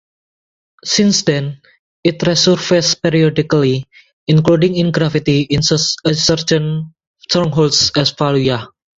Since then, it resurfaced periodically, including in graffiti in such insurgent strongholds as Fallujah.